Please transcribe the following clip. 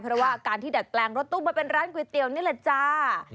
เพราะว่าการที่ดัดแปลงรถตู้มาเป็นร้านก๋วยเตี๋ยวนี่แหละจ้า